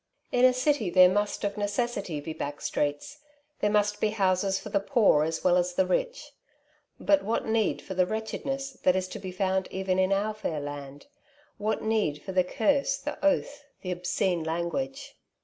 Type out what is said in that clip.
In a city there must of necessity be back streets ; there must be houses for the poor as well as the rich; but what need for the wretchedness that is The little House m the back Street. 1 1 to be found even in our fair land ? What need for the curse, the oath, the obscene language